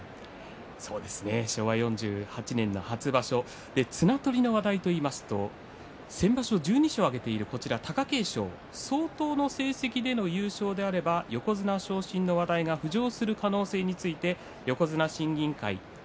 昭和４８年の初場所綱取りの話題といいますと先場所１２勝挙げている貴景勝相当の成績での優勝であれば横綱昇進の話題が浮上する可能性について横綱審議委員会場